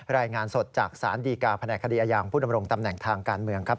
รายงานสดจากสารดีกาแผนกคดีอายางผู้ดำรงตำแหน่งทางการเมืองครับ